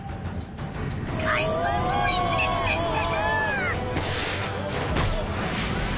開始早々一撃決着！